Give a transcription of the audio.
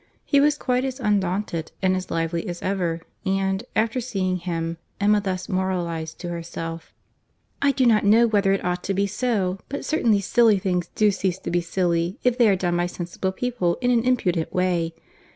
He was quite as undaunted and as lively as ever; and, after seeing him, Emma thus moralised to herself:— "I do not know whether it ought to be so, but certainly silly things do cease to be silly if they are done by sensible people in an impudent way.